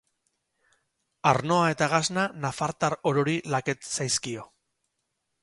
Arnoa eta gasna nafartar orori laket zaizkio.